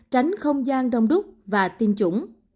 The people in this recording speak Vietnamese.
tránh không gian đông đúc và tiêm chủng